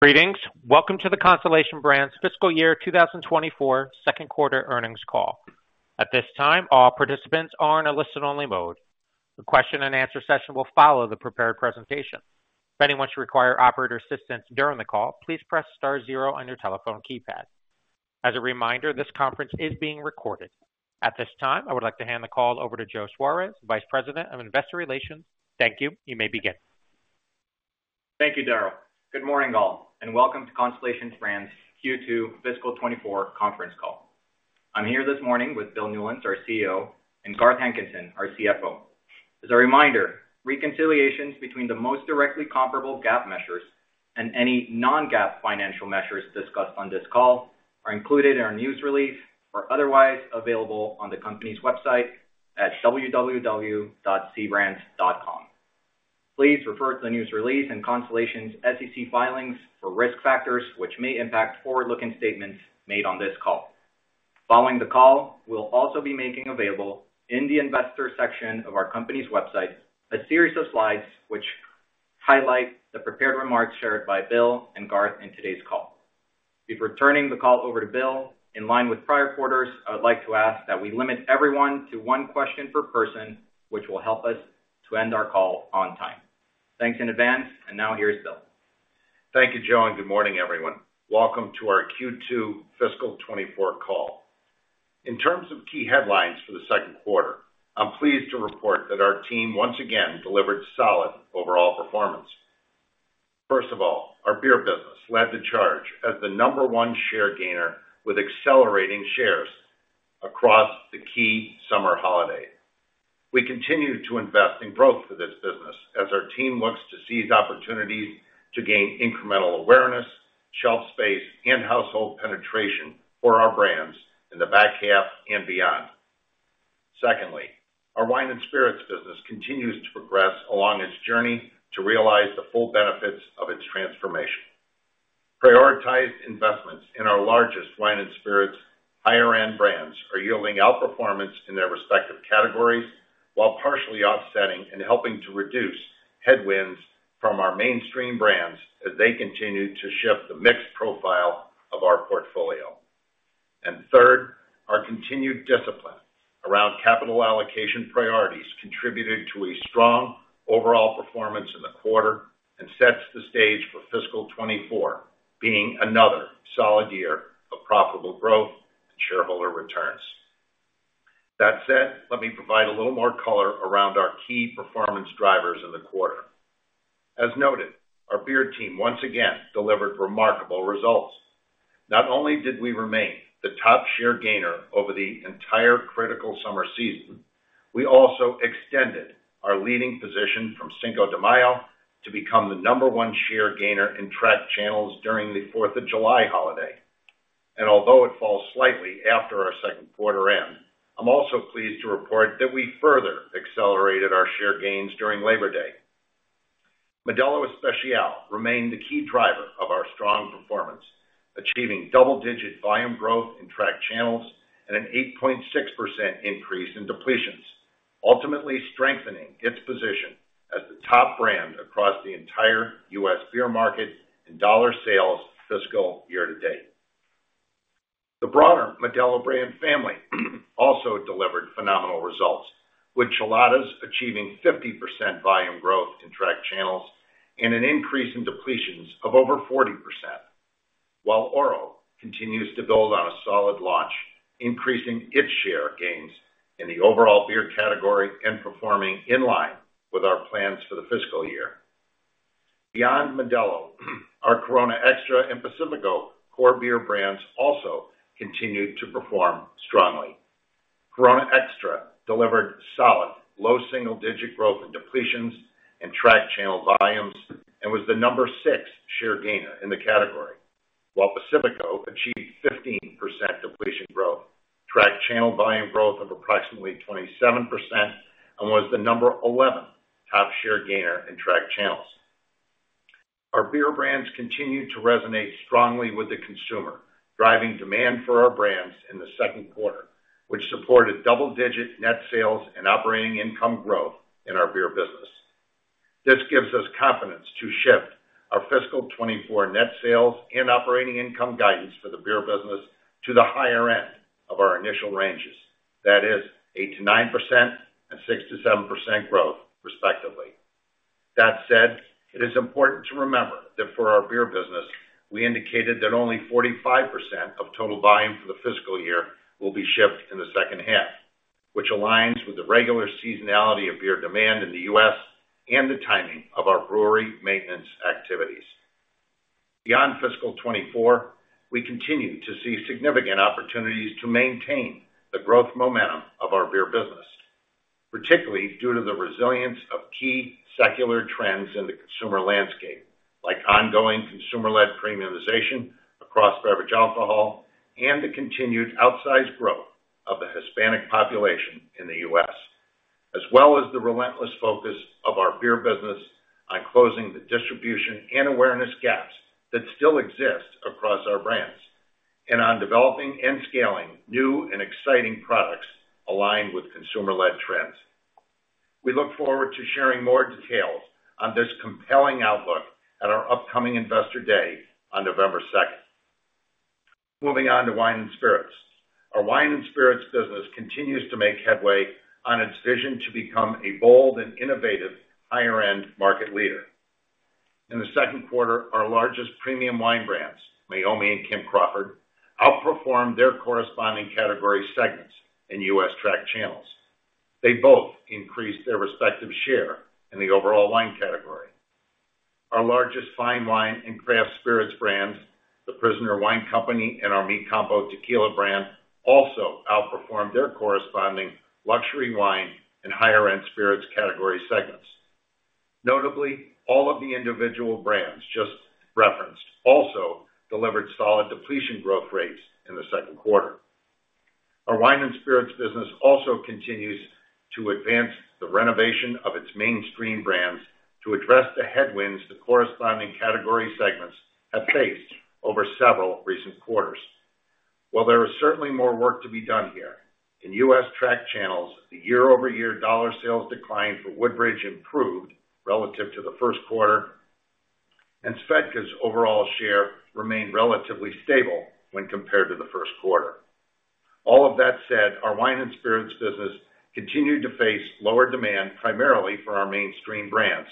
Greetings. Welcome to the Constellation Brands' Fiscal Year 2024 second quarter earnings call. At this time, all participants are in a listen-only mode. The question and answer session will follow the prepared presentation. If anyone should require operator assistance during the call, please press star zero on your telephone keypad. As a reminder, this conference is being recorded. At this time, I would like to hand the call over to Joe Suarez, Vice President of Investor Relations. Thank you. You may begin. Thank you, Daryl. Good morning, all, and welcome to Constellation Brands Q2 Fiscal 2024 conference call. I'm here this morning with Bill Newlands, our CEO, and Garth Hankinson, our CFO. As a reminder, reconciliations between the most directly comparable GAAP measures and any non-GAAP financial measures discussed on this call are included in our news release or otherwise available on the company's website at www.cbrands.com. Please refer to the news release and Constellation's SEC filings for risk factors, which may impact forward-looking statements made on this call. Following the call, we'll also be making available in the investor section of our company's website, a series of slides which highlight the prepared remarks shared by Bill and Garth in today's call. Before turning the call over to Bill, in line with prior quarters, I would like to ask that we limit everyone to one question per person, which will help us to end our call on time. Thanks in advance, and now here's Bill. Thank you, Joe, and good morning, everyone. Welcome to our Q2 fiscal 2024 call. In terms of key headlines for the second quarter, I'm pleased to report that our team once again delivered solid overall performance. First of all, our beer business led the charge as the number one share gainer, with accelerating shares across the key summer holiday. We continue to invest in growth for this business as our team looks to seize opportunities to gain incremental awareness, shelf space, and household penetration for our brands in the back half and beyond. Secondly, our wine and spirits business continues to progress along its journey to realize the full benefits of its transformation. Prioritized investments in our largest wine and spirits higher-end brands are yielding outperformance in their respective categories, while partially offsetting and helping to reduce headwinds from our mainstream brands as they continue to shift the mixed profile of our portfolio. And third, our continued discipline around capital allocation priorities contributed to a strong overall performance in the quarter and sets the stage for fiscal 2024, being another solid year of profitable growth and shareholder returns. That said, let me provide a little more color around our key performance drivers in the quarter. As noted, our beer team once again delivered remarkable results. Not only did we remain the top share gainer over the entire critical summer season, we also extended our leading position from Cinco de Mayo to become the number one share gainer in tracked channels during the Fourth of July holiday. Although it falls slightly after our second quarter end, I'm also pleased to report that we further accelerated our share gains during Labor Day. Modelo Especial remained the key driver of our strong performance, achieving double-digit volume growth in tracked channels and an 8.6% increase in depletions, ultimately strengthening its position as the top brand across the entire U.S. beer market in dollar sales fiscal year to date. The broader Modelo brand family also delivered phenomenal results, with Cheladas achieving 50% volume growth in tracked channels and an increase in depletions of over 40%, while Oro continues to build on a solid launch, increasing its share gains in the overall beer category and performing in line with our plans for the fiscal year. Beyond Modelo, our Corona Extra and Pacifico core beer brands also continued to perform strongly. Corona Extra delivered solid, low-single-digit growth in depletions and tracked channel volumes, and was the number six share gainer in the category, while Pacifico achieved 15% depletion growth, tracked channel volume growth of approximately 27% and was the number 11 top share gainer in tracked channels. Our beer brands continued to resonate strongly with the consumer, driving demand for our brands in the second quarter, which supported double-digit net sales and operating income growth in our beer business. This gives us confidence to shift our fiscal 2024 net sales and operating income guidance for the beer business to the higher end of our initial ranges. That is, 8%-9% and 6%-7% growth, respectively. That said, it is important to remember that for our beer business, we indicated that only 45% of total volume for the fiscal year will be shipped in the second half, which aligns with the regular seasonality of beer demand in the U.S. and the timing of our brewery maintenance activities. Beyond fiscal 2024, we continue to see significant opportunities to maintain the growth momentum of our beer business, particularly due to the resilience of key secular trends in the consumer landscape, like ongoing consumer-led premiumization across beverage alcohol and the continued outsized growth of the Hispanic population in the U.S., as well as the relentless focus of our beer business on closing the distribution and awareness gaps that still exist across our brands, and on developing and scaling new and exciting products aligned with consumer-led trends.... We look forward to sharing more details on this compelling outlook at our upcoming Investor Day on November second. Moving on to wine and spirits. Our wine and spirits business continues to make headway on its vision to become a bold and innovative higher-end market leader. In the second quarter, our largest premium wine brands, Meiomi and Kim Crawford, outperformed their corresponding category segments in U.S. tracked channels. They both increased their respective share in the overall wine category. Our largest fine wine and craft spirits brands, The Prisoner Wine Company and our Mi Campo Tequila brand, also outperformed their corresponding luxury wine and higher-end spirits category segments. Notably, all of the individual brands just referenced also delivered solid depletion growth rates in the second quarter. Our wine and spirits business also continues to advance the renovation of its mainstream brands to address the headwinds the corresponding category segments have faced over several recent quarters. While there is certainly more work to be done here, in U.S. tracked channels, the year-over-year dollar sales decline for Woodbridge improved relative to the first quarter, and SVEDKA's overall share remained relatively stable when compared to the first quarter. All of that said, our wine and spirits business continued to face lower demand, primarily for our mainstream brands,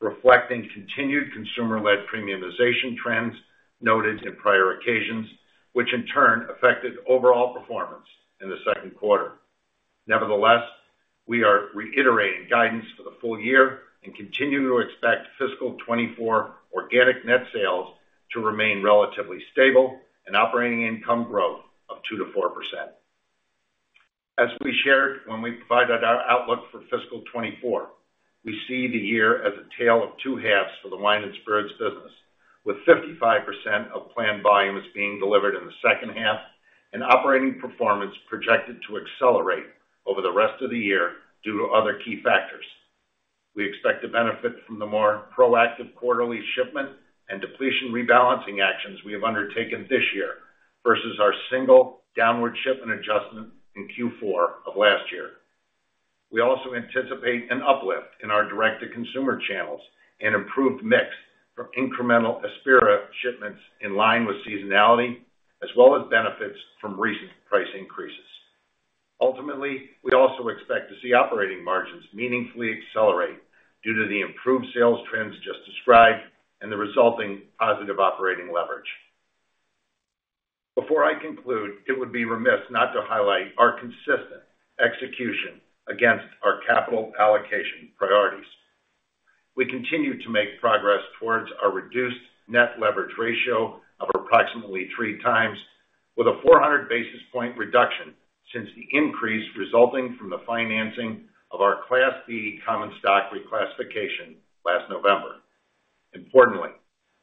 reflecting continued consumer-led premiumization trends noted in prior occasions, which in turn affected overall performance in the second quarter. Nevertheless, we are reiterating guidance for the full year and continue to expect fiscal 2024 organic net sales to remain relatively stable and operating income growth of 2%-4%. As we shared when we provided our outlook for fiscal 2024, we see the year as a tale of two-halves for the wine and spirits business, with 55% of planned volumes being delivered in the second half and operating performance projected to accelerate over the rest of the year due to other key factors. We expect to benefit from the more proactive quarterly shipment and depletion rebalancing actions we have undertaken this year, versus our single downward shipment adjustment in Q4 of last year. We also anticipate an uplift in our direct-to-consumer channels and improved mix from incremental ASPIRA shipments in line with seasonality, as well as benefits from recent price increases. Ultimately, we also expect to see operating margins meaningfully accelerate due to the improved sales trends just described and the resulting positive operating leverage. Before I conclude, it would be remiss not to highlight our consistent execution against our capital allocation priorities. We continue to make progress towards our reduced net leverage ratio of approximately 3x, with a 400 basis point reduction since the increase resulting from the financing of our Class B common stock reclassification last November. Importantly,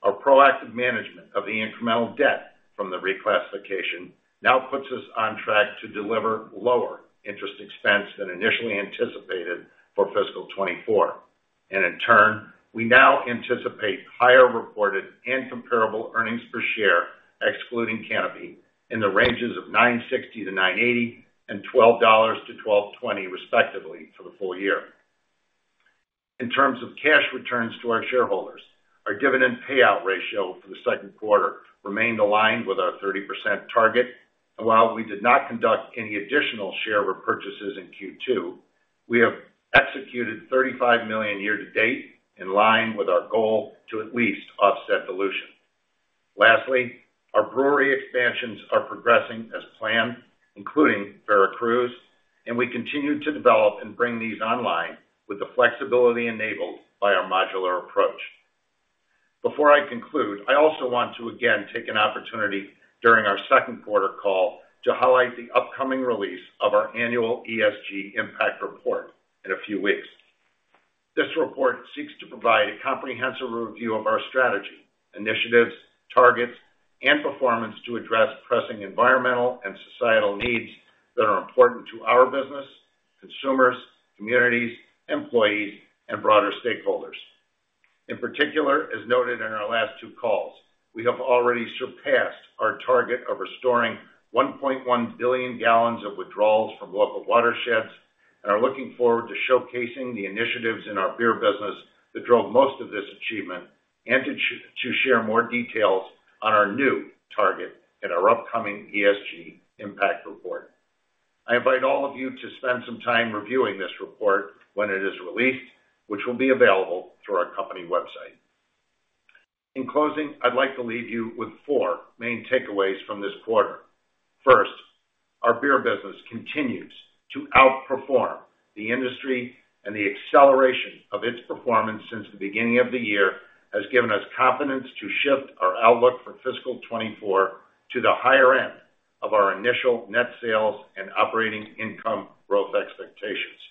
our proactive management of the incremental debt from the reclassification now puts us on track to deliver lower interest expense than initially anticipated for fiscal 2024, and in turn, we now anticipate higher reported and comparable earnings per share, excluding Canopy, in the ranges of $9.60-$9.80 and $12-$12.20, respectively, for the full year. In terms of cash returns to our shareholders, our dividend payout ratio for the second quarter remained aligned with our 30% target, and while we did not conduct any additional share repurchases in Q2, we have executed $35 million year to date, in line with our goal to at least offset dilution. Lastly, our brewery expansions are progressing as planned, including Veracruz, and we continue to develop and bring these online with the flexibility enabled by our modular approach. Before I conclude, I also want to again take an opportunity during our second quarter call to highlight the upcoming release of our annual ESG Impact Report in a few weeks. This report seeks to provide a comprehensive review of our strategy, initiatives, targets, and performance to address pressing environmental and societal needs that are important to our business, consumers, communities, employees, and broader stakeholders. In particular, as noted in our last two calls, we have already surpassed our target of restoring 1.1 billion gal of withdrawals from local watersheds, and are looking forward to showcasing the initiatives in our beer business that drove most of this achievement, and to share more details on our new target in our upcoming ESG Impact Report. I invite all of you to spend some time reviewing this report when it is released, which will be available through our company website. In closing, I'd like to leave you with four main takeaways from this quarter. First, our beer business continues to outperform the industry, and the acceleration of its performance since the beginning of the year has given us confidence to shift our outlook for fiscal 2024 to the higher end of our initial net sales and operating income growth expectations.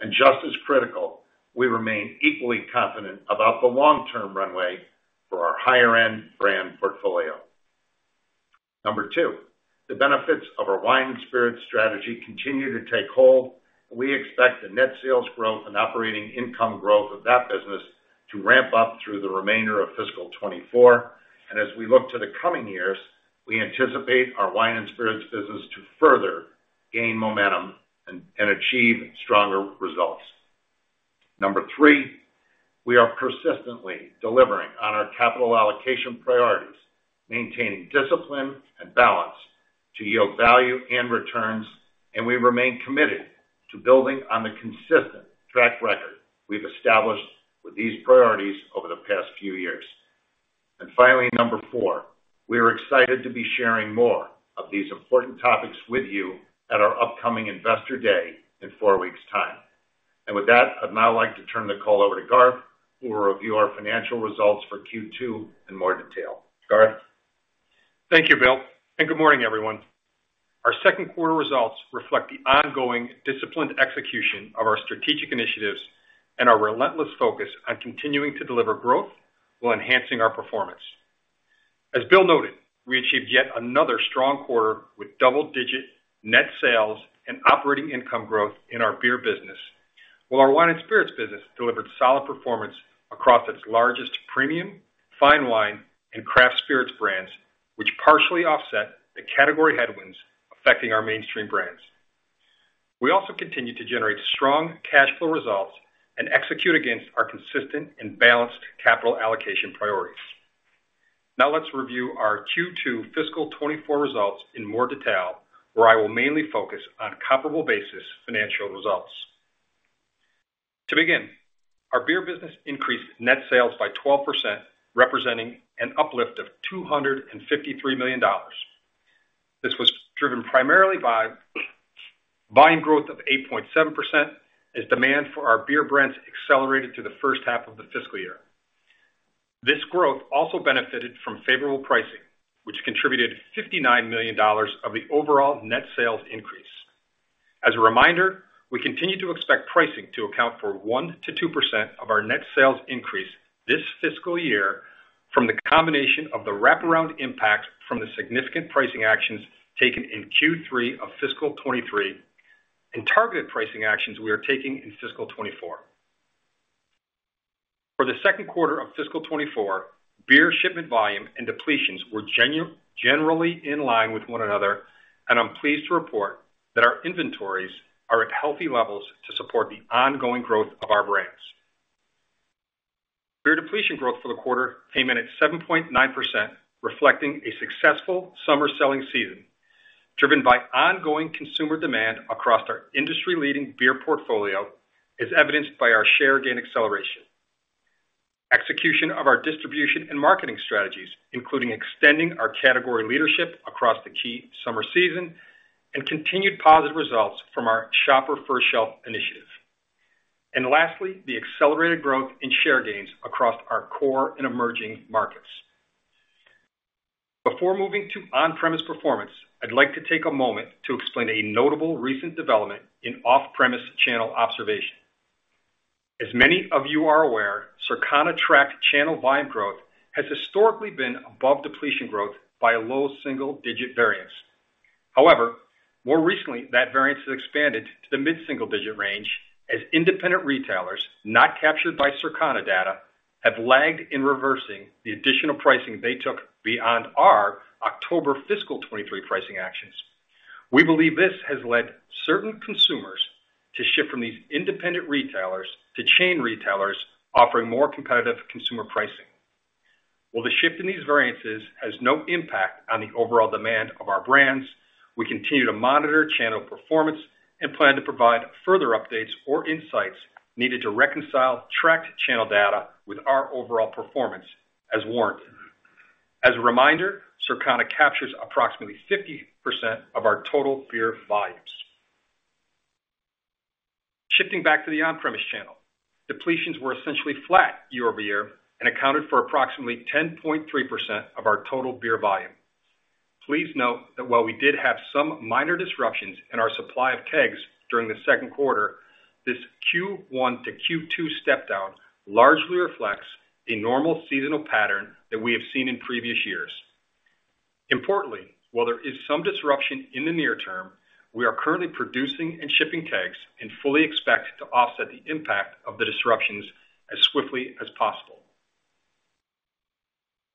And just as critical, we remain equally confident about the long-term runway for our higher-end brand portfolio. Number two, the benefits of our wine and spirits strategy continue to take hold. We expect the net sales growth and operating income growth of that business to ramp up through the remainder of fiscal 2024. And as we look to the coming years, we anticipate our wine and spirits business to further gain momentum and achieve stronger results. Number three, we are persistently delivering on our capital allocation priorities, maintaining discipline and balance to yield value and returns, and we remain committed to building on the consistent track record we've established with these priorities over the past few years. And finally, number four, we are excited to be sharing more of these important topics with you at our upcoming Investor Day in four weeks' time. With that, I'd now like to turn the call over to Garth, who will review our financial results for Q2 in more detail. Garth? Thank you, Bill, and good morning, everyone. Our second quarter results reflect the ongoing disciplined execution of our strategic initiatives and our relentless focus on continuing to deliver growth while enhancing our performance. As Bill noted, we achieved yet another strong quarter with double-digit net sales and operating income growth in our beer business, while our wine and spirits business delivered solid performance across its largest premium, fine wine, and craft spirits brands, which partially offset the category headwinds affecting our mainstream brands. We also continued to generate strong cash flow results and execute against our consistent and balanced capital allocation priorities. Now, let's review our Q2 fiscal 2024 results in more detail, where I will mainly focus on comparable basis financial results. To begin, our beer business increased net sales by 12%, representing an uplift of $253 million. This was driven primarily by volume growth of 8.7%, as demand for our beer brands accelerated through the first half of the fiscal year. This growth also benefited from favorable pricing, which contributed $59 million of the overall net sales increase. As a reminder, we continue to expect pricing to account for 1%-2% of our net sales increase this fiscal year from the combination of the wraparound impacts from the significant pricing actions taken in Q3 of fiscal 2023, and targeted pricing actions we are taking in fiscal 2024. For the second quarter of fiscal 2024, beer shipment volume and depletions were generally in line with one another, and I'm pleased to report that our inventories are at healthy levels to support the ongoing growth of our brands. Beer depletion growth for the quarter came in at 7.9%, reflecting a successful summer selling season, driven by ongoing consumer demand across our industry-leading beer portfolio, as evidenced by our share gain acceleration. Execution of our distribution and marketing strategies, including extending our category leadership across the key summer season, and continued positive results from our Shopper-First Shelf initiative. And lastly, the accelerated growth in share gains across our core and emerging markets. Before moving to on-premise performance, I'd like to take a moment to explain a notable recent development in off-premise channel observation. As many of you are aware, Circana tracked channel volume growth has historically been above depletion growth by a low single-digit variance. However, more recently, that variance has expanded to the mid-single digit range as independent retailers, not captured by Circana data, have lagged in reversing the additional pricing they took beyond our October fiscal 2023 pricing actions. We believe this has led certain consumers to shift from these independent retailers to chain retailers, offering more competitive consumer pricing. While the shift in these variances has no impact on the overall demand of our brands, we continue to monitor channel performance and plan to provide further updates or insights needed to reconcile tracked channel data with our overall performance as warranted. As a reminder, Circana captures approximately 50% of our total beer volumes. Shifting back to the on-premise channel, depletions were essentially flat year-over-year and accounted for approximately 10.3% of our total beer volume. Please note that while we did have some minor disruptions in our supply of kegs during the second quarter, this Q1 to Q2 step down largely reflects a normal seasonal pattern that we have seen in previous years. Importantly, while there is some disruption in the near term, we are currently producing and shipping kegs and fully expect to offset the impact of the disruptions as swiftly as possible.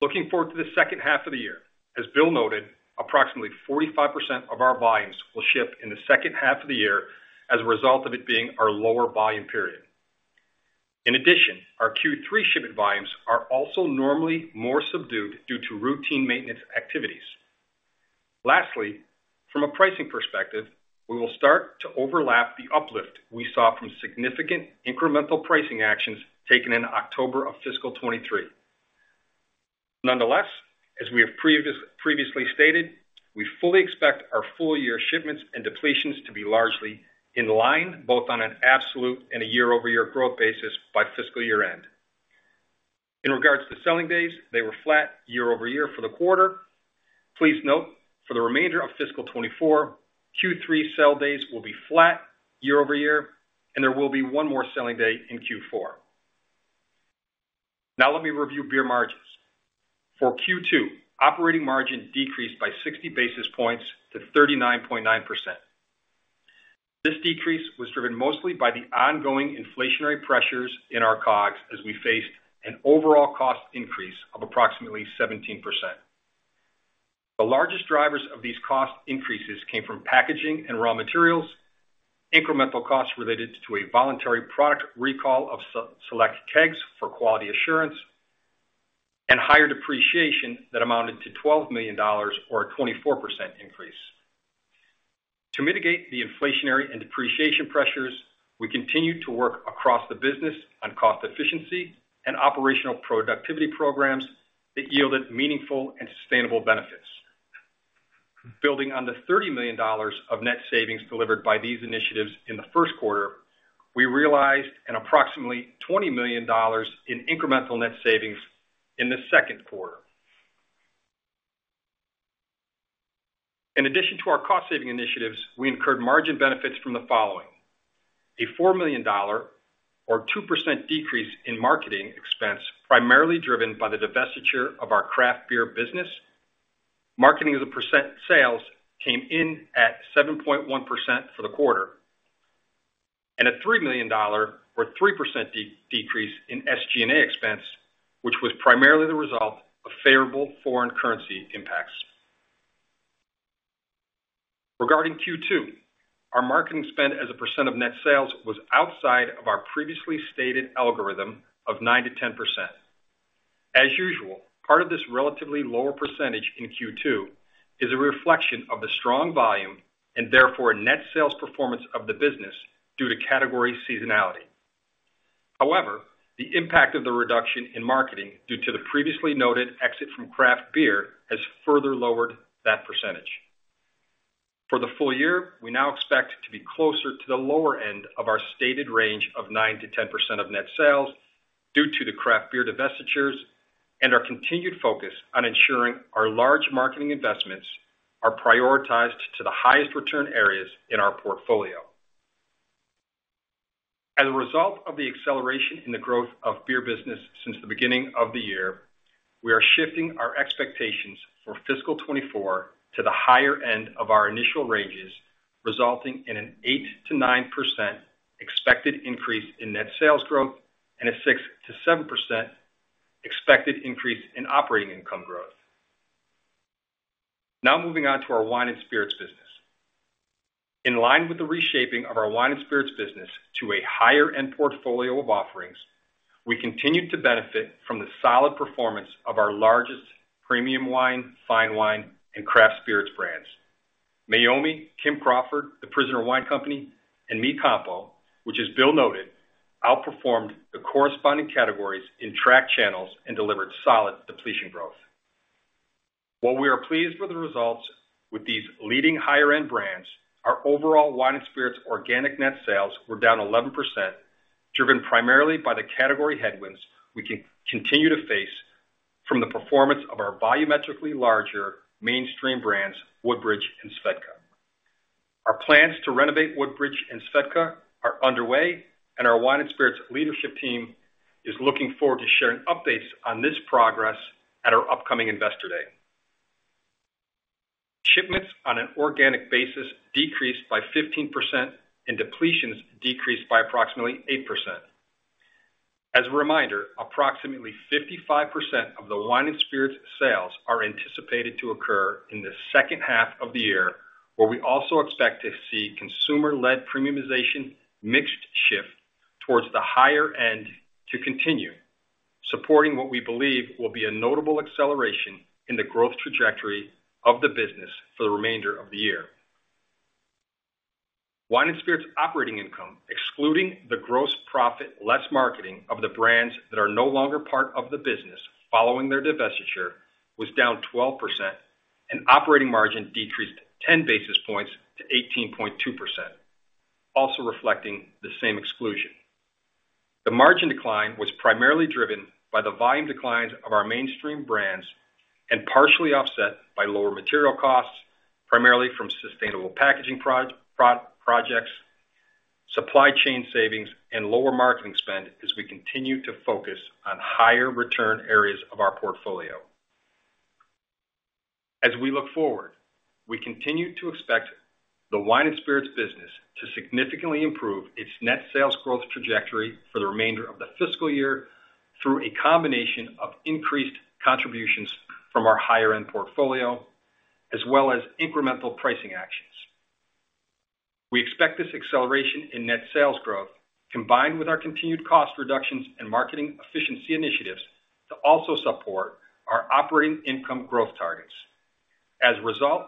Looking forward to the second half of the year, as Bill noted, approximately 45% of our volumes will ship in the second half of the year as a result of it being our lower volume period. In addition, our Q3 shipment volumes are also normally more subdued due to routine maintenance activities. Lastly, from a pricing perspective, we will start to overlap the uplift we saw from significant incremental pricing actions taken in October of fiscal 2023. Nonetheless, as we have previously stated, we fully expect our full-year shipments and depletions to be largely in line, both on an absolute and a year-over-year growth basis by fiscal year-end. In regards to selling days, they were flat year over year for the quarter. Please note, for the remainder of fiscal 2024, Q3 sell days will be flat year over year, and there will be one more selling day in Q4. Now let me review beer margins. For Q2, operating margin decreased by 60 basis points to 39.9%.... This decrease was driven mostly by the ongoing inflationary pressures in our COGS as we faced an overall cost increase of approximately 17%. The largest drivers of these cost increases came from packaging and raw materials, incremental costs related to a voluntary product recall of select kegs for quality assurance, and higher depreciation that amounted to $12 million or a 24% increase. To mitigate the inflationary and depreciation pressures, we continued to work across the business on cost efficiency and operational productivity programs that yielded meaningful and sustainable benefits. Building on the $30 million of net savings delivered by these initiatives in the first quarter, we realized approximately $20 million in incremental net savings in the second quarter. In addition to our cost-saving initiatives, we incurred margin benefits from the following: a $4 million or 2% decrease in marketing expense, primarily driven by the divestiture of our craft beer business. Marketing as a percent of sales came in at 7.1% for the quarter, and a $3 million or 3% decrease in SG&A expense, which was primarily the result of favorable foreign currency impacts. Regarding Q2, our marketing spend as a percent of net sales was outside of our previously stated algorithm of 9%-10%. As usual, part of this relatively lower percentage in Q2 is a reflection of the strong volume and therefore net sales performance of the business due to category seasonality. However, the impact of the reduction in marketing, due to the previously noted exit from craft beer, has further lowered that percentage. For the full year, we now expect to be closer to the lower end of our stated range of 9%-10% of net sales due to the craft beer divestitures and our continued focus on ensuring our large marketing investments are prioritized to the highest return areas in our portfolio. As a result of the acceleration in the growth of beer business since the beginning of the year, we are shifting our expectations for fiscal 2024 to the higher end of our initial ranges, resulting in an 8%-9% expected increase in net sales growth and a 6%-7% expected increase in operating income growth. Now moving on to our wine and spirits business. In line with the reshaping of our wine and spirits business to a higher-end portfolio of offerings, we continued to benefit from the solid performance of our largest premium wine, fine wine, and craft spirits brands. Meiomi, Kim Crawford, The Prisoner Wine Company, and Mi Campo, which, as Bill noted, outperformed the corresponding categories in tracked channels and delivered solid depletion growth. While we are pleased with the results with these leading higher-end brands, our overall wine and spirits organic net sales were down 11%, driven primarily by the category headwinds we continue to face from the performance of our volumetrically larger mainstream brands, Woodbridge and SVEDKA. Our plans to renovate Woodbridge and SVEDKA are underway, and our wine and spirits leadership team is looking forward to sharing updates on this progress at our upcoming Investor Day. Shipments on an organic basis decreased by 15%, and depletions decreased by approximately 8%. As a reminder, approximately 55% of the wine and spirits sales are anticipated to occur in the second half of the year, where we also expect to see consumer-led premiumization mixed shift towards the higher end to continue, supporting what we believe will be a notable acceleration in the growth trajectory of the business for the remainder of the year. Wine and spirits operating income, excluding the gross profit, less marketing of the brands that are no longer part of the business following their divestiture, was down 12%, and operating margin decreased 10 basis points to 18.2%, also reflecting the same exclusion. The margin decline was primarily driven by the volume declines of our mainstream brands and partially offset by lower material costs, primarily from sustainable packaging projects, supply chain savings, and lower marketing spend as we continue to focus on higher return areas of our portfolio. As we look forward, we continue to expect the wine and spirits business to significantly improve its net sales growth trajectory for the remainder of the fiscal year through a combination of increased contributions from our higher-end portfolio, as well as incremental pricing actions. We expect this acceleration in net sales growth, combined with our continued cost reductions and marketing efficiency initiatives, to also support our operating income growth targets. As a result,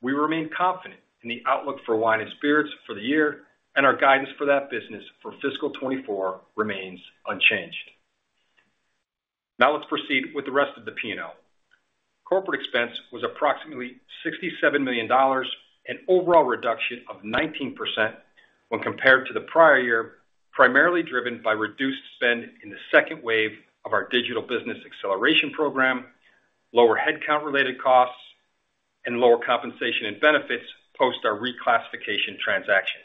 we remain confident in the outlook for wine and spirits for the year, and our guidance for that business for fiscal 2024 remains unchanged. Now, let's proceed with the rest of the P&L. Corporate expense was approximately $67 million, an overall reduction of 19% when compared to the prior year, primarily driven by reduced spend in the second wave of our digital business acceleration program, lower headcount-related costs, and lower compensation and benefits post our reclassification transaction.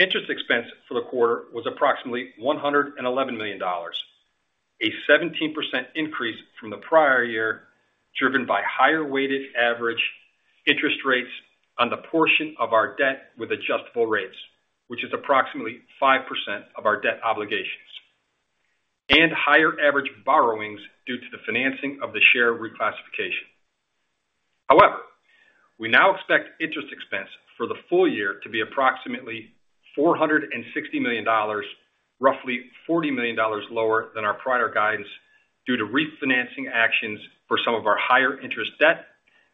Interest expense for the quarter was approximately $111 million, a 17% increase from the prior year, driven by higher weighted average interest rates on the portion of our debt with adjustable rates, which is approximately 5% of our debt obligations, and higher average borrowings due to the financing of the share reclassification. However, we now expect interest expense for the full year to be approximately $460 million, roughly $40 million lower than our prior guidance, due to refinancing actions for some of our higher interest debt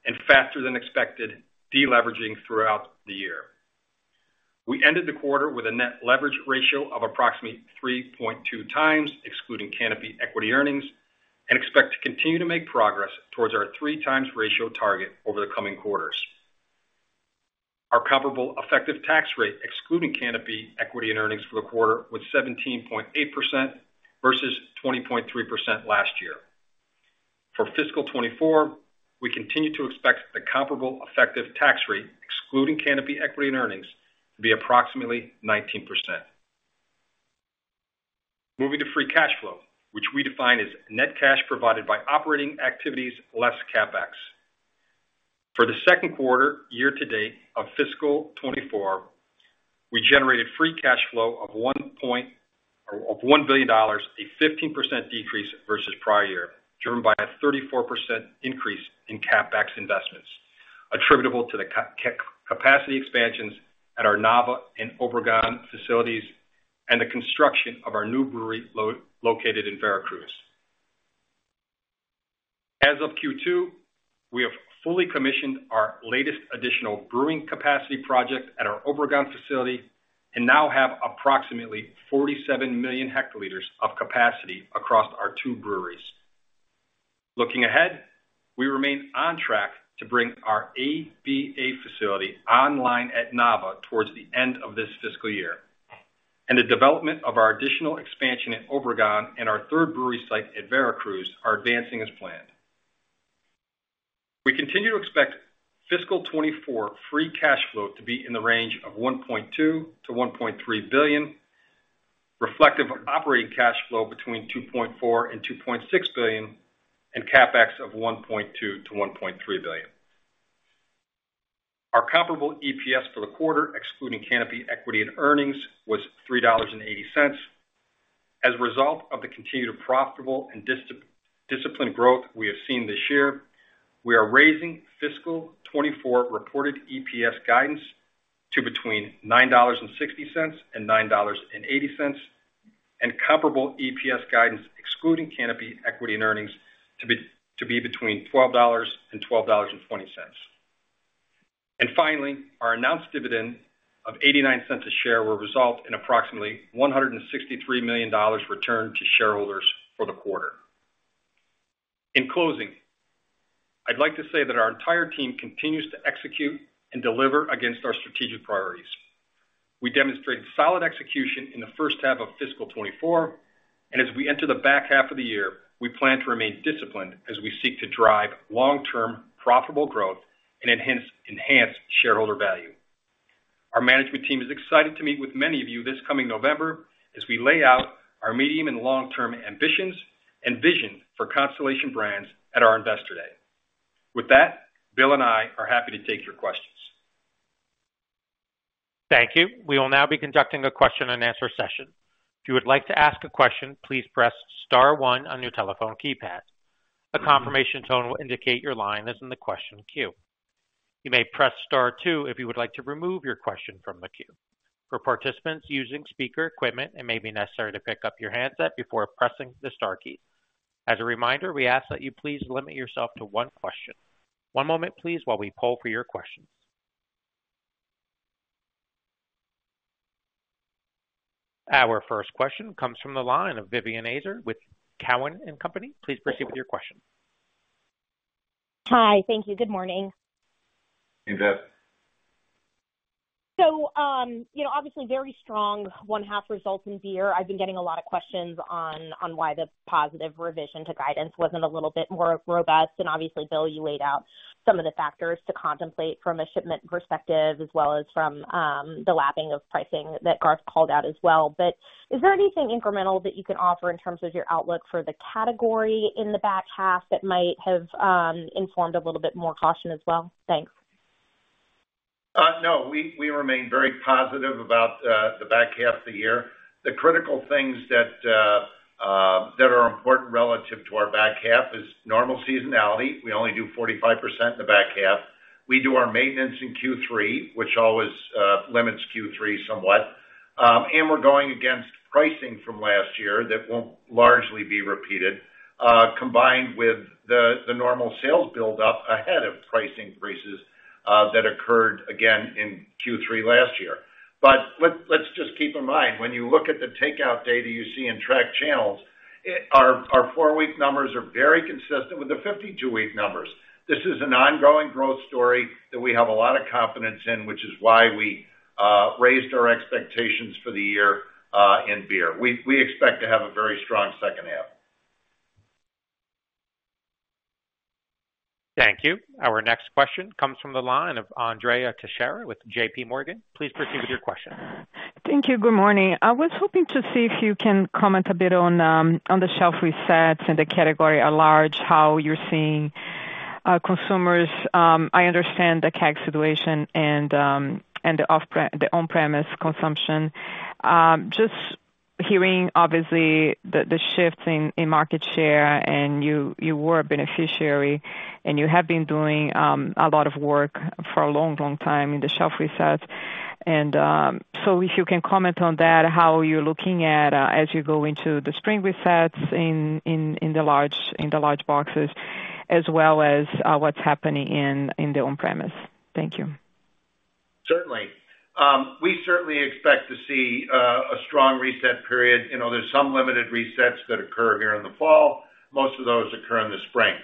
and faster than expected deleveraging throughout the year. We ended the quarter with a net leverage ratio of approximately 3.2x, excluding Canopy equity earnings, and expect to continue to make progress towards our 3x ratio target over the coming quarters. Our comparable effective tax rate, excluding Canopy equity and earnings for the quarter, was 17.8% versus 20.3% last year. For fiscal 2024, we continue to expect the comparable effective tax rate, excluding Canopy equity and earnings, to be approximately 19%. Moving to free cash flow, which we define as net cash provided by operating activities, less CapEx. For the second quarter year-to-date of fiscal 2024, we generated free cash flow of $1 billion, a 15% decrease versus prior year, driven by a 34% increase in CapEx investments, attributable to the capacity expansions at our Nava and Obregon facilities and the construction of our new brewery located in Veracruz. As of Q2, we have fully commissioned our latest additional brewing capacity project at our Obregon facility and now have approximately 47 million hectoliters of capacity across our two breweries. Looking ahead, we remain on track to bring our AB facility online at Nava towards the end of this fiscal year, and the development of our additional expansion at Obregon and our third brewery site at Veracruz are advancing as planned. We continue to expect fiscal 2024 free cash flow to be in the range of $1.2 billion-$1.3 billion, reflective of operating cash flow between $2.4 billion and $2.6 billion, and CapEx of $1.2 billion-$1.3 billion. Our comparable EPS for the quarter, excluding Canopy equity and earnings, was $3.80. As a result of the continued profitable and disciplined growth we have seen this year, we are raising fiscal 2024 reported EPS guidance to between $9.60 and $9.80, and comparable EPS guidance, excluding Canopy equity and earnings, to be between $12 and $12.20. Finally, our announced dividend of $0.89 a share will result in approximately $163 million returned to shareholders for the quarter. In closing, I'd like to say that our entire team continues to execute and deliver against our strategic priorities. We demonstrated solid execution in the first half of fiscal 2024, and as we enter the back half of the year, we plan to remain disciplined as we seek to drive long-term profitable growth and enhance, enhance shareholder value. Our management team is excited to meet with many of you this coming November as we lay out our medium and long-term ambitions and vision for Constellation Brands at our Investor Day. With that, Bill and I are happy to take your questions. Thank you. We will now be conducting a question-and-answer session. If you would like to ask a question, please press star one on your telephone keypad. A confirmation tone will indicate your line is in the question queue. You may press star two if you would like to remove your question from the queue. For participants using speaker equipment, it may be necessary to pick up your handset before pressing the star key. As a reminder, we ask that you please limit yourself to one question. One moment, please, while we poll for your questions. Our first question comes from the line of Vivien Azer with Cowen and Company. Please proceed with your question. Hi. Thank you. Good morning. Hey, Viv. So, you know, obviously very strong first-half results in beer. I've been getting a lot of questions on, on why the positive revision to guidance wasn't a little bit more robust. And obviously, Bill, you laid out some of the factors to contemplate from a shipment perspective, as well as from, the lapping of pricing that Garth called out as well. But is there anything incremental that you can offer in terms of your outlook for the category in the back half that might have, informed a little bit more caution as well? Thanks. No, we remain very positive about the back half of the year. The critical things that are important relative to our back half is normal seasonality. We only do 45% in the back half. We do our maintenance in Q3, which always limits Q3 somewhat, and we're going against pricing from last year that won't largely be repeated, combined with the normal sales buildup ahead of pricing increases that occurred again in Q3 last year. Let's just keep in mind, when you look at the takeout data you see in tracked channels, our four-week numbers are very consistent with the 52-week numbers. This is an ongoing growth story that we have a lot of confidence in, which is why we raised our expectations for the year in beer. We expect to have a very strong second half. Thank you. Our next question comes from the line of Andrea Teixeira with JPMorgan. Please proceed with your question. Thank you. Good morning. I was hoping to see if you can comment a bit on the shelf resets and the category at large, how you're seeing consumers. I understand the keg situation and the off-premise and the on-premise consumption. Just hearing, obviously, the shifts in market share, and you were a beneficiary, and you have been doing a lot of work for a long, long time in the shelf resets. So if you can comment on that, how you're looking at as you go into the spring resets in the large boxes, as well as what's happening in the on-premise. Thank you. Certainly. We certainly expect to see a strong reset period. You know, there's some limited resets that occur here in the fall. Most of those occur in the spring.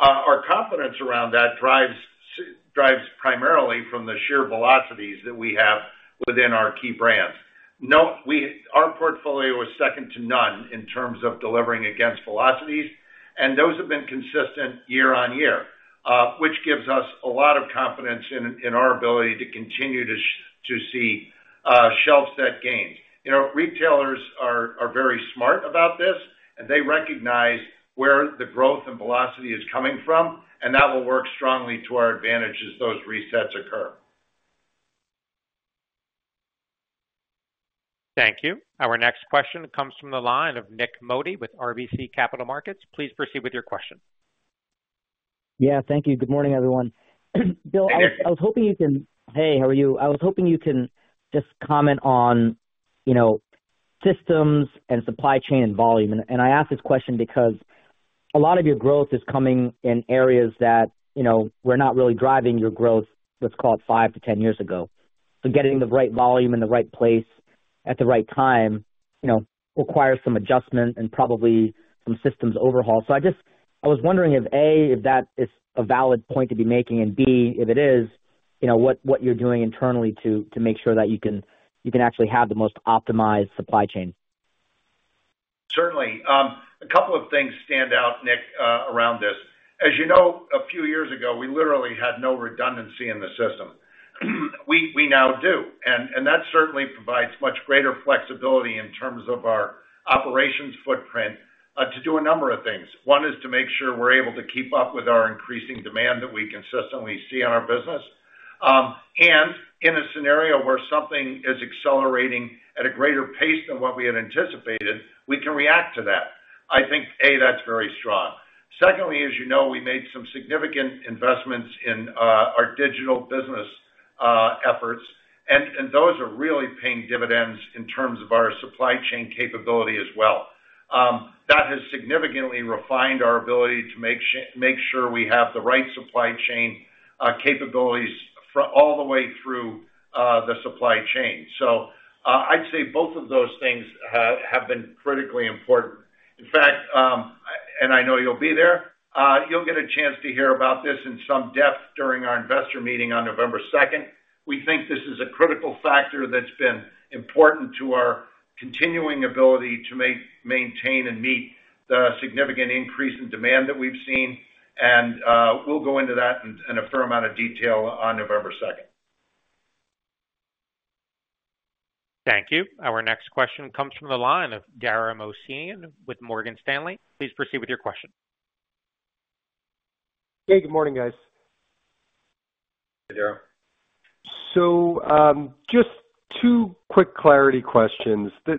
Our confidence around that drives primarily from the sheer velocities that we have within our key brands. Our portfolio is second to none in terms of delivering against velocities, and those have been consistent year-on-year, which gives us a lot of confidence in our ability to continue to see shelf set gains. You know, retailers are very smart about this, and they recognize where the growth and velocity is coming from, and that will work strongly to our advantage as those resets occur. Thank you. Our next question comes from the line of Nik Modi with RBC Capital Markets. Please proceed with your question. Yeah, thank you. Good morning, everyone. Bill- Hey, Nick. I was hoping you can... Hey, how are you? I was hoping you can just comment on, you know, systems and supply chain and volume. And I ask this question because a lot of your growth is coming in areas that, you know, were not really driving your growth, let's call it five to 10 years ago. So getting the right volume in the right place at the right time, you know, requires some adjustment and probably some systems overhaul. So I just—I was wondering if, A, if that is a valid point to be making, and B, if it is, you know, what you're doing internally to make sure that you can actually have the most optimized supply chain? Certainly. A couple of things stand out, Nik, around this. As you know, a few years ago, we literally had no redundancy in the system. We now do, and that certainly provides much greater flexibility in terms of our operations footprint, to do a number of things. One is to make sure we're able to keep up with our increasing demand that we consistently see in our business. And in a scenario where something is accelerating at a greater pace than what we had anticipated, we can react to that. I think that's very strong. Secondly, as you know, we made some significant investments in our digital business efforts, and those are really paying dividends in terms of our supply chain capability as well. That has significantly refined our ability to make sure we have the right supply chain capabilities all the way through the supply chain. So, I'd say both of those things have been critically important. In fact, and I know you'll be there, you'll get a chance to hear about this in some depth during our investor meeting on November 2nd. We think this is a critical factor that's been important to our continuing ability to maintain and meet the significant increase in demand that we've seen, and we'll go into that in a fair amount of detail on November 2nd. Thank you. Our next question comes from the line of Dara Mohsenian with Morgan Stanley. Please proceed with your question. Hey, good morning, guys. Hey, Dara. So, just two quick clarity questions. The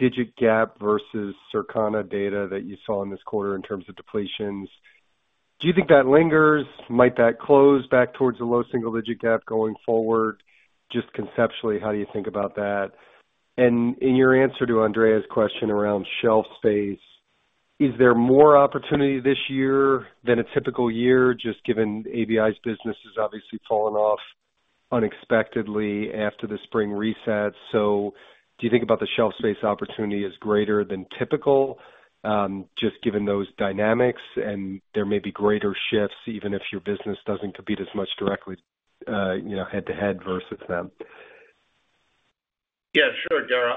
mid-single-digit gap versus Circana data that you saw in this quarter in terms of depletions, do you think that lingers? Might that close back towards a low single digit gap going forward? Just conceptually, how do you think about that? And in your answer to Andrea's question around shelf space, is there more opportunity this year than a typical year, just given ABI's business has obviously fallen off unexpectedly after the spring reset? So do you think about the shelf space opportunity as greater than typical, just given those dynamics, and there may be greater shifts, even if your business doesn't compete as much directly, you know, head-to-head versus them? Yeah, sure, Dara.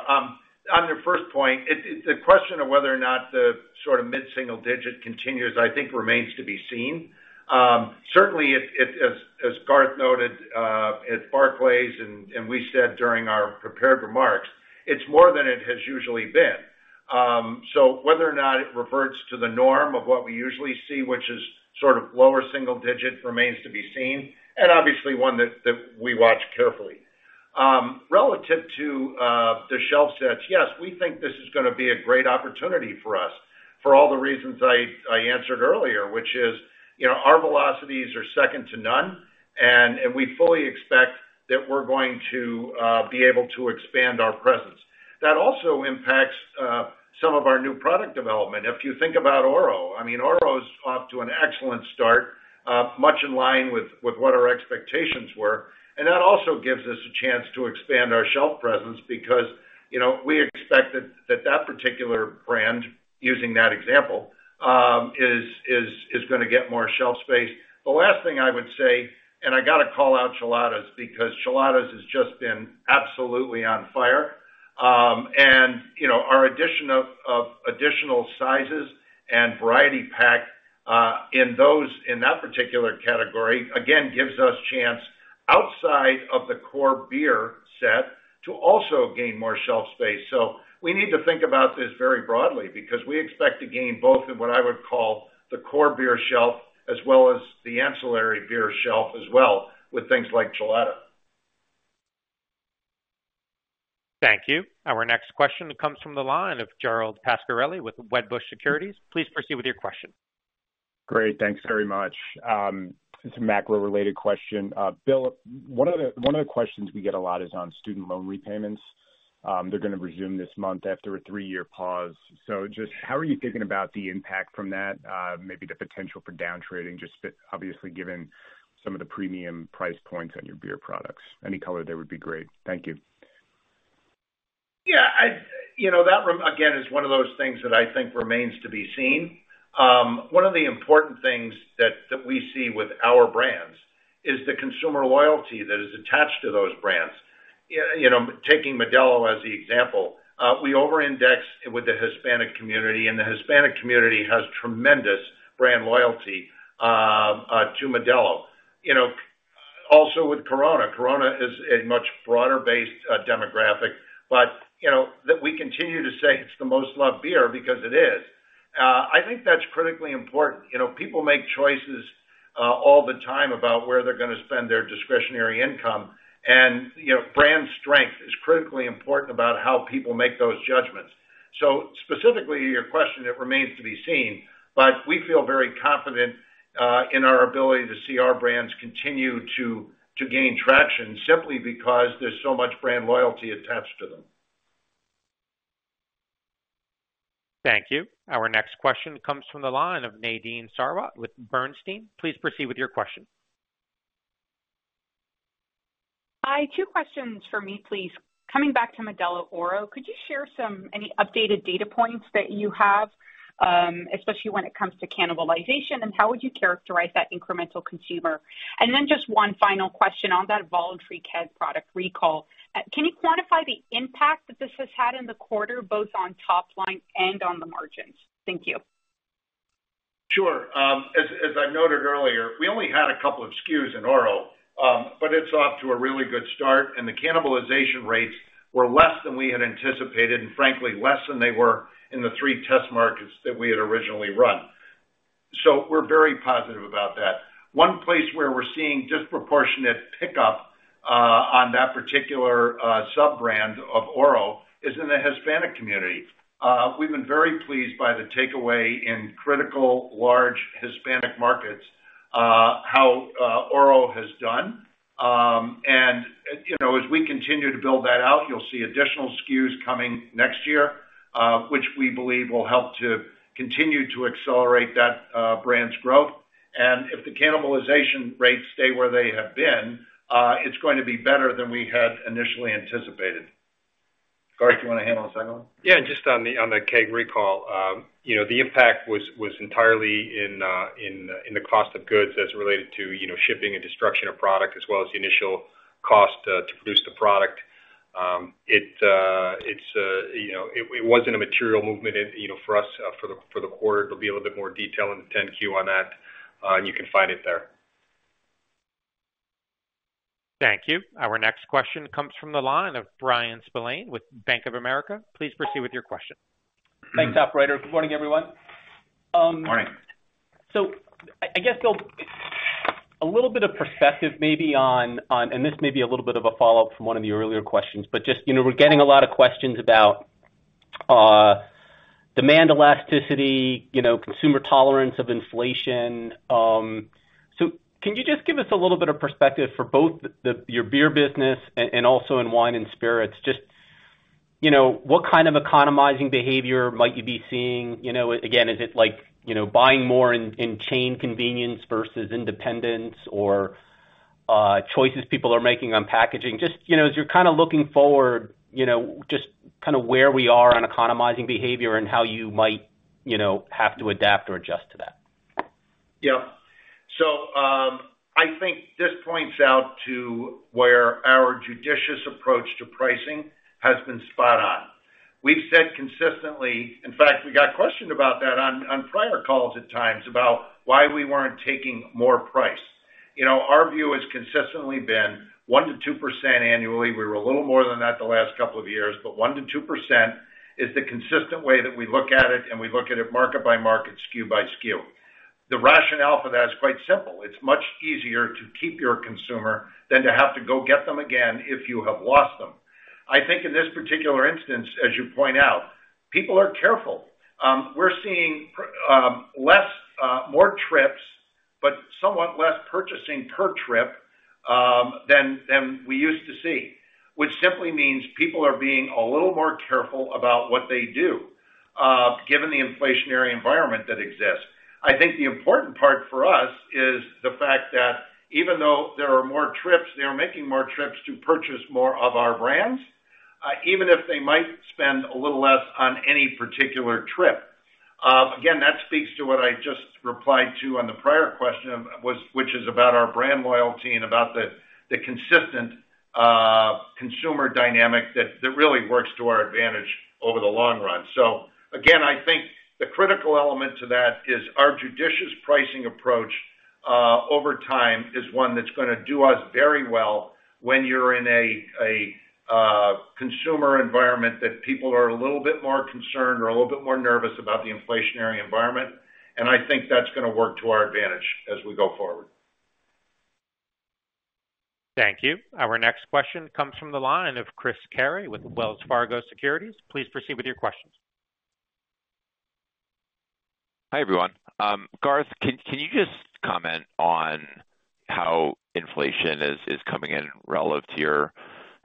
On your first point, it, it... The question of whether or not the sort of mid-single digit continues, I think remains to be seen. Certainly, it, it, as Garth noted, at Barclays, and we said during our prepared remarks, it's more than it has usually been. Whether or not it reverts to the norm of what we usually see, which is sort of lower single digit, remains to be seen, and obviously, one that, that we watch carefully. Relative to the shelf sets, yes, we think this is gonna be a great opportunity for us for all the reasons I, I answered earlier, which is, you know, our velocities are second to none, and we fully expect that we're going to be able to expand our presence. That also impacts some of our new product development. If you think about Oro, I mean, Oro is off to an excellent start, much in line with what our expectations were, and that also gives us a chance to expand our shelf presence because, you know, we expect that particular brand, using that example, is gonna get more shelf space. The last thing I would say, and I gotta call out Cheladas, because Cheladas has just been absolutely on fire. You know, our addition of additional sizes and variety pack in that particular category, again, gives us chance outside of the core beer set to also gain more shelf space. We need to think about this very broadly, because we expect to gain both in what I would call the core beer shelf, as well as the ancillary beer shelf as well, with things like Chelada. Thank you. Our next question comes from the line of Gerald Pascarelli with Wedbush Securities. Please proceed with your question. Great, thanks very much. It's a macro-related question. Bill, one of the questions we get a lot is on student loan repayments. They're gonna resume this month after a three-year pause. So just how are you thinking about the impact from that, maybe the potential for down trading, just obviously given some of the premium price points on your beer products? Any color there would be great. Thank you. Yeah, I—you know, that is one of those things that I think remains to be seen. One of the important things that we see with our brands is the consumer loyalty that is attached to those brands. You know, taking Modelo as the example, we over-index with the Hispanic community, and the Hispanic community has tremendous brand loyalty to Modelo. You know, also with Corona. Corona is a much broader-based demographic, but you know, that we continue to say it's the most loved beer because it is. I think that's critically important. You know, people make choices all the time about where they're gonna spend their discretionary income, and you know, brand strength is critically important about how people make those judgments. Specifically, your question, it remains to be seen, but we feel very confident in our ability to see our brands continue to gain traction simply because there's so much brand loyalty attached to them. Thank you. Our next question comes from the line of Nadine Sarwat with Bernstein. Please proceed with your question. Hi, two questions for me, please. Coming back to Modelo Oro, could you share some-- any updated data points that you have, especially when it comes to cannibalization, and how would you characterize that incremental consumer? And then just one final question on that voluntary keg product recall. Can you quantify the impact that this has had in the quarter, both on top line and on the margins? Thank you. Sure. As I noted earlier, we only had a couple of SKUs in Oro, but it's off to a really good start, and the cannibalization rates were less than we had anticipated, and frankly, less than they were in the three test markets that we had originally run. So we're very positive about that. One place where we're seeing disproportionate pickup on that particular sub-brand of Oro is in the Hispanic community. We've been very pleased by the takeaway in critical, large Hispanic markets, how Oro has done. And, you know, as we continue to build that out, you'll see additional SKUs coming next year, which we believe will help to continue to accelerate that brand's growth. And if the cannibalization rates stay where they have been, it's going to be better than we had initially anticipated. Garth, do you wanna handle the second one? Yeah, just on the keg recall, you know, the impact was entirely in the cost of goods as related to, you know, shipping and destruction of product, as well as the initial cost to produce the product. It’s, you know, it wasn't a material movement, it, you know, for us, for the quarter. There'll be a little bit more detail in the 10-Q on that, and you can find it there. Thank you. Our next question comes from the line of Bryan Spillane with Bank of America. Please proceed with your question. Thanks, operator. Good morning, everyone. Morning. I guess, Bill, a little bit of perspective maybe on, and this may be a little bit of a follow-up from one of the earlier questions, but just, you know, we're getting a lot of questions about demand elasticity, you know, consumer tolerance of inflation. Can you just give us a little bit of perspective for both your beer business and also in wine and spirits, just, you know, what kind of economizing behavior might you be seeing? You know, again, is it like, you know, buying more in chain convenience versus independents, or choices people are making on packaging? Just, you know, as you're kind of looking forward, you know, just kind of where we are on economizing behavior and how you might, you know, have to adapt or adjust to that. Yeah. I think this points out to where our judicious approach to pricing has been spot on. We've said consistently... In fact, we got questioned about that on prior calls at times, about why we weren't taking more price. You know, our view has consistently been 1%-2% annually. We were a little more than that the last couple of years, but 1%-2% is the consistent way that we look at it, and we look at it market by market, SKU by SKU. The rationale for that is quite simple. It's much easier to keep your consumer than to have to go get them again if you have lost them. I think in this particular instance, as you point out, people are careful. We're seeing more trips, but somewhat less purchasing per trip, than we used to see, which simply means people are being a little more careful about what they do, given the inflationary environment that exists. I think the important part for us is the fact that even though there are more trips, they are making more trips to purchase more of our brands, even if they might spend a little less on any particular trip.... again, that speaks to what I just replied to on the prior question of, was, which is about our brand loyalty and about the consistent consumer dynamic that really works to our advantage over the long run. So again, I think the critical element to that is our judicious pricing approach over time is one that's gonna do us very well when you're in a consumer environment that people are a little bit more concerned or a little bit more nervous about the inflationary environment. And I think that's gonna work to our advantage as we go forward. Thank you. Our next question comes from the line of Chris Carey, with Wells Fargo Securities. Please proceed with your questions. Hi, everyone. Garth, can you just comment on how inflation is coming in relative to your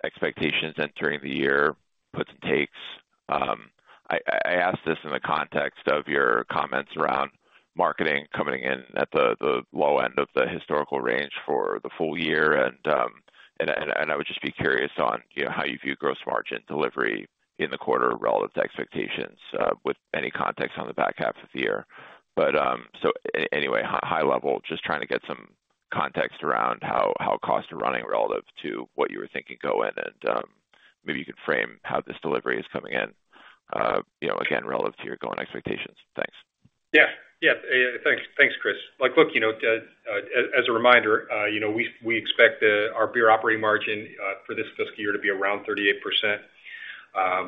expectations entering the year, puts and takes? I ask this in the context of your comments around marketing coming in at the low end of the historical range for the full year. I would just be curious on, you know, how you view gross margin delivery in the quarter relative to expectations, with any context on the back half of the year. Anyway, high level, just trying to get some context around how costs are running relative to what you were thinking going in, and maybe you could frame how this delivery is coming in, you know, again, relative to your going expectations. Thanks. Yeah. Yeah. Thanks. Thanks, Chris. Like, look, you know, as a reminder, you know, we expect our beer operating margin for this fiscal year to be around 38%.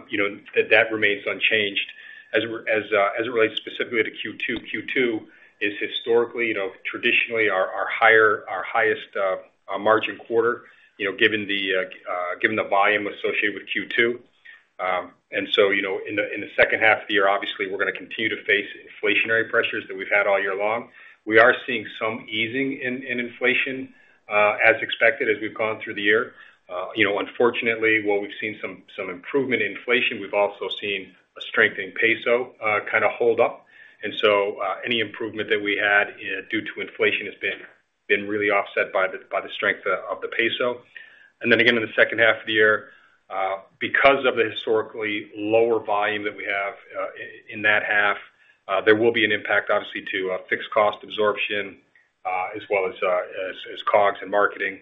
You know, that remains unchanged. As it relates specifically to Q2, Q2 is historically, you know, traditionally our highest margin quarter, you know, given the volume associated with Q2. And so, you know, in the second half of the year, obviously, we're gonna continue to face inflationary pressures that we've had all year long. We are seeing some easing in inflation, as expected, as we've gone through the year. You know, unfortunately, while we've seen some improvement in inflation, we've also seen a strengthening peso kind of hold up. So, any improvement that we had due to inflation has been really offset by the strength of the peso. Then again, in the second half of the year, because of the historically lower volume that we have in that half, there will be an impact, obviously, to fixed cost absorption as well as COGS and marketing.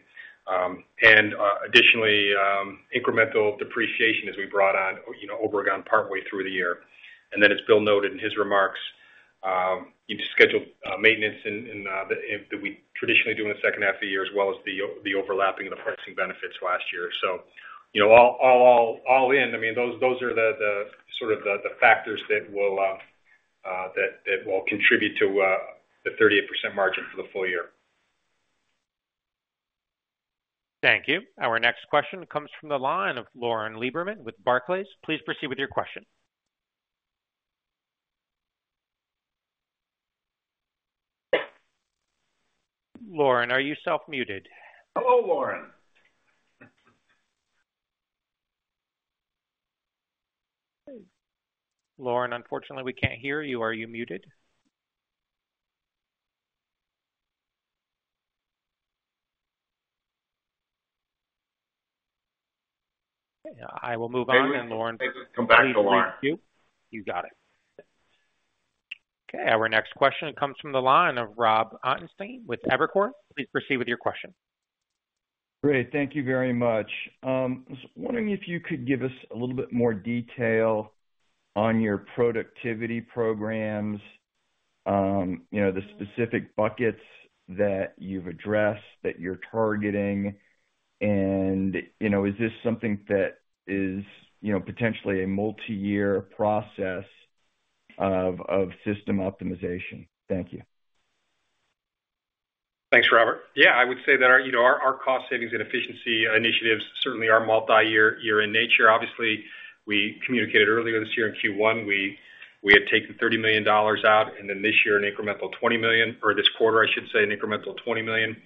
Additionally, incremental depreciation as we brought online, you know, partway through the year. Then, as Bill noted in his remarks, we scheduled maintenance that we traditionally do in the second half of the year, as well as the overlapping of the pricing benefits last year. So, you know, all in, I mean, those are the sort of factors that will contribute to the 38% margin for the full year. Thank you. Our next question comes from the line of Lauren Lieberman, with Barclays. Please proceed with your question. Lauren, are you self-muted? Hello, Lauren. Lauren, unfortunately, we can't hear you. Are you muted? I will move on then, Lauren- Daryl, come back to Lauren. You got it. Okay, our next question comes from the line of Robert Ottenstein with Evercore. Please proceed with your question. Great. Thank you very much. I was wondering if you could give us a little bit more detail on your productivity programs, you know, the specific buckets that you've addressed, that you're targeting. You know, is this something that is, you know, potentially a multiyear process of system optimization? Thank you. Thanks, Robert. Yeah, I would say that our, you know, our, our cost savings and efficiency initiatives certainly are multiyear, year in nature. Obviously, we communicated earlier this year in Q1, we, we had taken $30 million out, and then this year, an incremental $20 million, or this quarter, I should say, an incremental $20 million.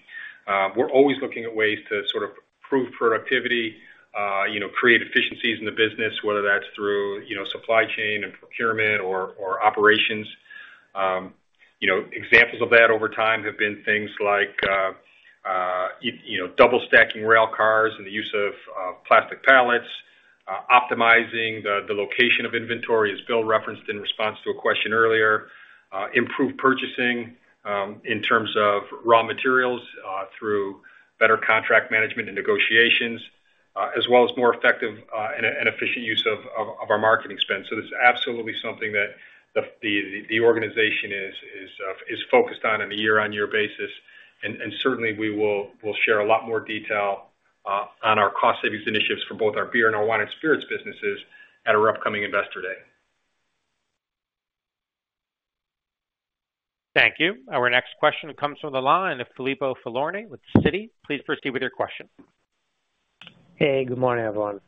We're always looking at ways to sort of improve productivity, you know, create efficiencies in the business, whether that's through, you know, supply chain and procurement or, or operations. You know, examples of that over time have been things like, you know, double stacking rail cars and the use of plastic pallets, optimizing the location of inventory, as Bill referenced in response to a question earlier, improved purchasing, in terms of raw materials, through better contract management and negotiations, as well as more effective and efficient use of our marketing spend. It's absolutely something that the organization is focused on, on a year-on-year basis. Certainly, we will share a lot more detail on our cost savings initiatives for both our beer and our wine and spirits businesses at our upcoming Investor Day. Thank you. Our next question comes from the line of Filippo Falorni, with Citi. Please proceed with your question. Hey, good morning, everyone.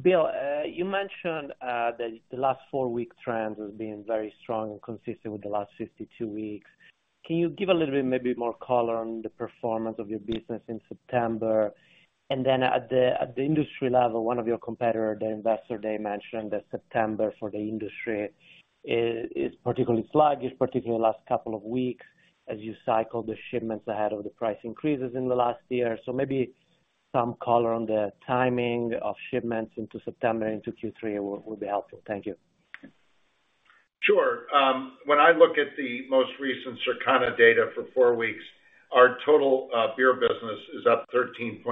Bill, you mentioned that the last four-week trends has been very strong and consistent with the last 52 weeks. Can you give a little bit, maybe more color on the performance of your business in September? And then at the industry level, one of your competitor, the Investor Day, mentioned that September for the industry is particularly sluggish, particularly the last couple of weeks, as you cycle the shipments ahead of the price increases in the last year or so. Maybe some color on the timing of shipments into September, into Q3 will be helpful. Thank you. Sure. When I look at the most recent Circana data for four weeks, our total beer business is up 13.7%,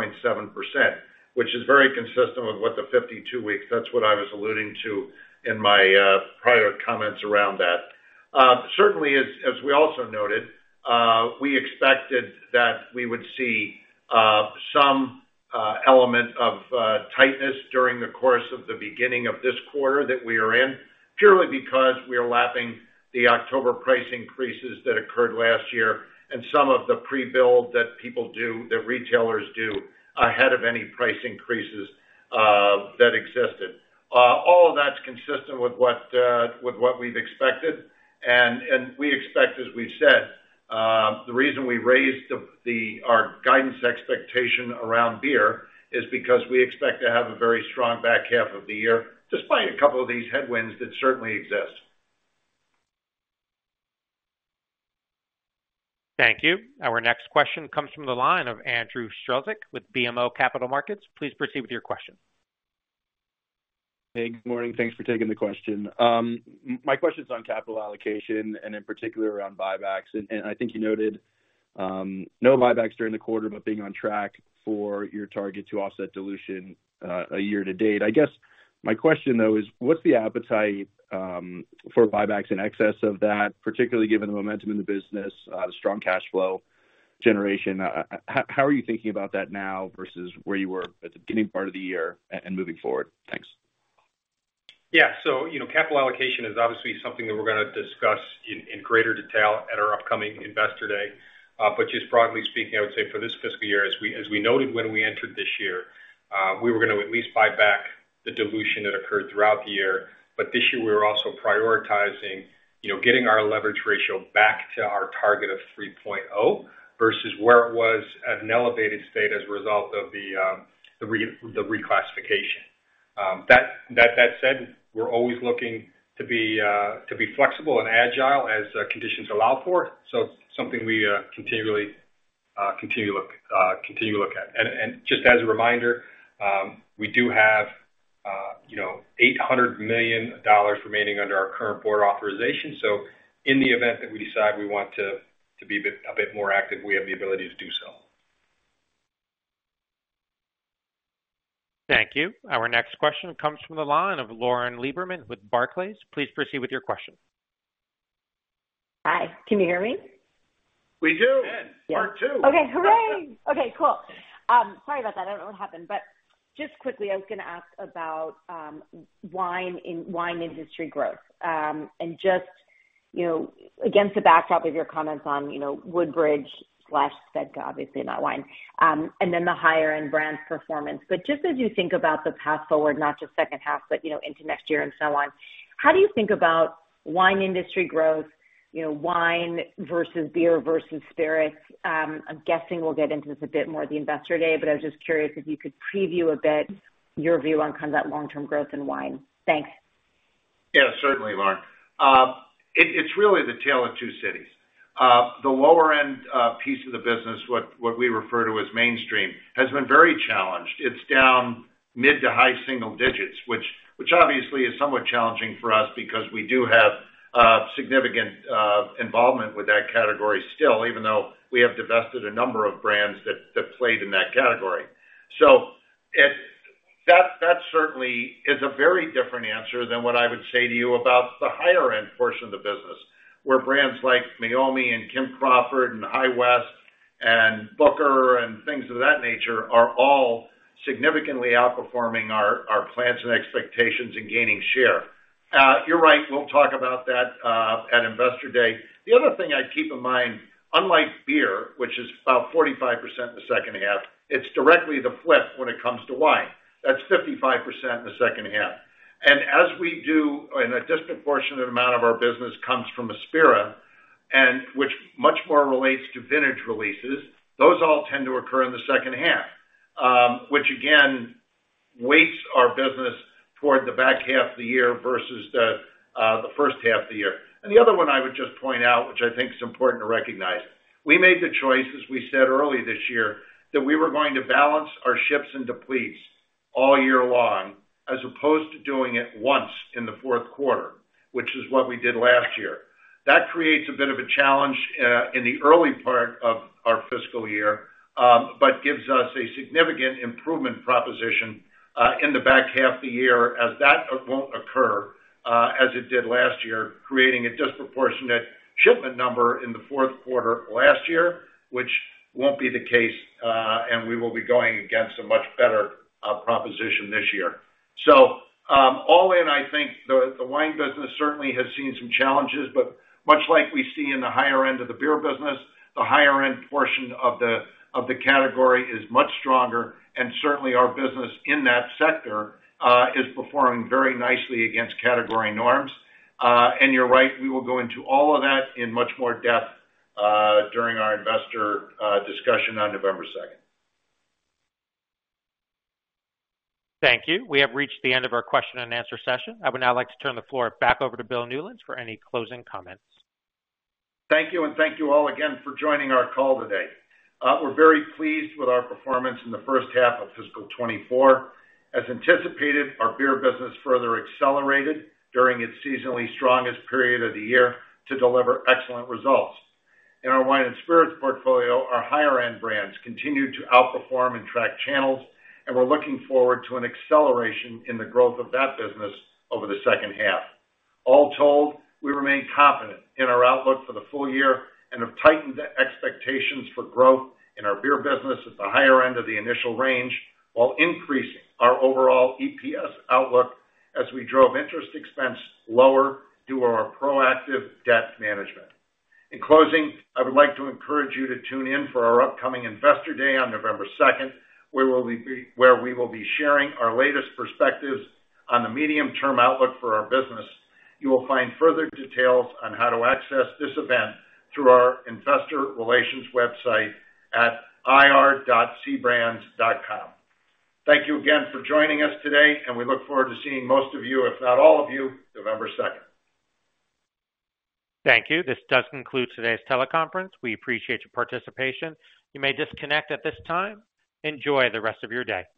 which is very consistent with what the 52 weeks, that's what I was alluding to in my prior comments around that. Certainly, as we also noted, we expected that we would see some element of tightness during the course of the beginning of this quarter that we are in, purely because we are lapping the October price increases that occurred last year and some of the pre-build that people do, that retailers do, ahead of any price increases that existed. All of that's consistent with what we've expected. We expect, as we've said, the reason we raised our guidance expectation around beer is because we expect to have a very strong back half of the year, despite a couple of these headwinds that certainly exist. Thank you. Our next question comes from the line of Andrew Strelzik with BMO Capital Markets. Please proceed with your question. Hey, good morning. Thanks for taking the question. My question is on capital allocation and in particular around buybacks. I think you noted no buybacks during the quarter, but being on track for your target to offset dilution a year to date. I guess my question, though, is what's the appetite for buybacks in excess of that, particularly given the momentum in the business, the strong cash flow generation? How are you thinking about that now versus where you were at the beginning part of the year and moving forward? Thanks. Yeah, so you know, capital allocation is obviously something that we're gonna discuss in greater detail at our upcoming Investor Day. But just broadly speaking, I would say for this fiscal year, as we noted when we entered this year, we were gonna at least buy back the dilution that occurred throughout the year. But this year, we were also prioritizing, you know, getting our leverage ratio back to our target of 3.0, versus where it was at an elevated state as a result of the reclassification. That said, we're always looking to be flexible and agile as conditions allow for. So something we continually look at. Just as a reminder, we do have, you know, $800 million remaining under our current board authorization. In the event that we decide we want to be a bit more active, we have the ability to do so. Thank you. Our next question comes from the line of Lauren Lieberman with Barclays. Please proceed with your question. Hi, can you hear me? We do. Yes, part two. Okay, hooray! Okay, cool. Sorry about that. I don't know what happened. But just quickly, I was gonna ask about wine industry growth. And just, you know, against the backdrop of your comments on, you know, Woodbridge/SVEDKA, obviously not wine, and then the higher end brands performance. But just as you think about the path forward, not just second half, but, you know, into next year and so on, how do you think about wine industry growth, you know, wine versus beer versus spirits? I'm guessing we'll get into this a bit more at the Investor Day, but I was just curious if you could preview a bit your view on kind of that long-term growth in wine. Thanks. Yeah, certainly, Lauren. It's really the tale of two cities. The lower end piece of the business, what we refer to as mainstream, has been very challenged. It's down mid- to high-single digits, which obviously is somewhat challenging for us because we do have significant involvement with that category still, even though we have divested a number of brands that played in that category. That certainly is a very different answer than what I would say to you about the higher end portion of the business, where brands like Meiomi and Kim Crawford, and High West, and Booker, and things of that nature are all significantly outperforming our plans and expectations and gaining share. You're right, we'll talk about that at Investor Day. The other thing I'd keep in mind, unlike beer, which is about 45% in the second half, it's directly the flip when it comes to wine. That's 55% in the second half. As we do, and a disproportionate amount of our business comes from ASPIRA, and which much more relates to vintage releases, those all tend to occur in the second half. Which again, weights our business toward the back half of the year versus the first half of the year. The other one I would just point out, which I think is important to recognize, we made the choice, as we said early this year, that we were going to balance our ships and depletes all year long, as opposed to doing it once in the fourth quarter, which is what we did last year. That creates a bit of a challenge in the early part of our fiscal year, but gives us a significant improvement proposition in the back half of the year, as that won't occur as it did last year, creating a disproportionate shipment number in the fourth quarter last year, which won't be the case, and we will be going against a much better proposition this year. So, all in, I think the wine business certainly has seen some challenges, but much like we see in the higher end of the beer business, the higher end portion of the category is much stronger, and certainly our business in that sector is performing very nicely against category norms. You're right, we will go into all of that in much more depth during our investor discussion on November 2nd. Thank you. We have reached the end of our question and answer session. I would now like to turn the floor back over to Bill Newlands for any closing comments. Thank you, and thank you all again for joining our call today. We're very pleased with our performance in the first half of fiscal 2024. As anticipated, our beer business further accelerated during its seasonally strongest period of the year to deliver excellent results. In our wine and spirits portfolio, our higher end brands continued to outperform tracked channels, and we're looking forward to an acceleration in the growth of that business over the second half. All told, we remain confident in our outlook for the full year and have tightened the expectations for growth in our beer business at the higher end of the initial range, while increasing our overall EPS outlook as we drove interest expense lower through our proactive debt management. In closing, I would like to encourage you to tune in for our upcoming Investor Day on November 2nd, where we will be sharing our latest perspectives on the medium-term outlook for our business. You will find further details on how to access this event through our investor relations website at ir.cbrands.com. Thank you again for joining us today, and we look forward to seeing most of you, if not all of you, November 2nd. Thank you. This does conclude today's teleconference. We appreciate your participation. You may disconnect at this time. Enjoy the rest of your day. Bye-bye.